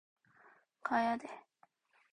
가야 돼.